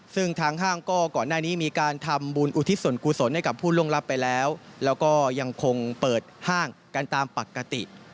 ซึ่งทางห้างกดตอนนี้มีการทำบุญอุทิสดร์กุศลให้กับผู้ล่วงลับไปแล้วเราก็ยังคงเอาห้างการตามปกติ